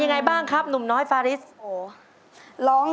มึงบ้านใต้หัวใจสิเผ่